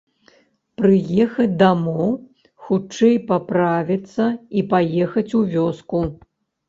Прыехаць дамоў, хутчэй паправіцца і паехаць у вёску.